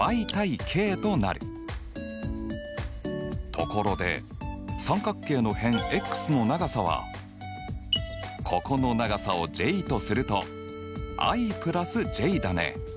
ところで三角形の辺ｘの長さはここの長さをｊとするとｉ＋ｊだね。